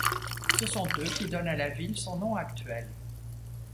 Ce sont eux qui donnent à la ville son nom actuel.